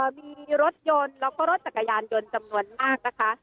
มีรถยนต์แล้วก็รถจักรยานยนต์จำนวนมากนะคะ